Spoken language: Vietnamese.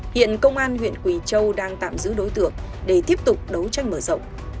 hiện công an huyện quỳ châu đang tạm giữ đối tượng để tiếp tục đấu tranh mở rộng